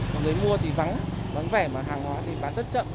còn người mua thì vắng vắng vẻ mà hàng hóa thì bán rất chậm